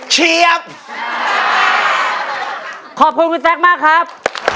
เชียบขอบคุณคุณแต๊กมากครับ